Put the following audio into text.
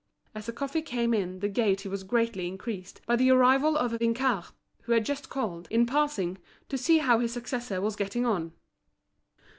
As the coffee came in the gaiety was greatly increased by the arrival of Vinçard, who had just called, in passing, to see how his successor was getting on.